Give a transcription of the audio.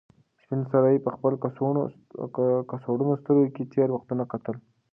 سپین سرې په خپل کڅوړنو سترګو کې تېر وختونه کتل.